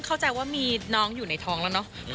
เข้าใจว่ามีน้องอยู่ในท้องแล้วเนอะ